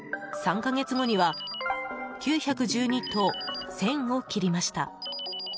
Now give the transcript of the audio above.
３か月後には９１２と１０００を切りました。